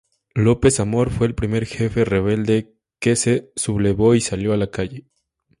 López-Amor fue el primer jefe rebelde que se sublevó y salió a la calle.